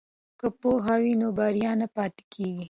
که پوهه وي نو بریا نه پاتې کیږي.